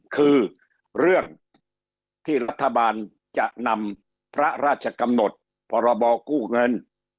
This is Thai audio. คือเรื่องที่รัฐบาลจะนำพระราชกำหนดพรบกู้เงิน